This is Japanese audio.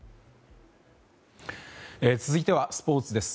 続いてはスポーツです。